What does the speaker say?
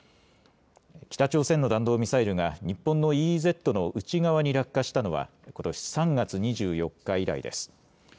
北朝鮮の弾道ミサイルが日本のＥＥＺの内側に落下したのは、ことし３月２４日以来です。